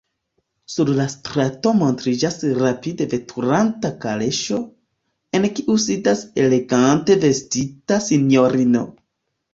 Sur la strato montriĝas rapide veturanta kaleŝo, en kiu sidas elegante vestita sinjorino.